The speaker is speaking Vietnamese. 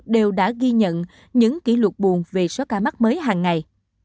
đều đã ghi nhận những kỷ lục buồn về số ca mắc mới hàng ngày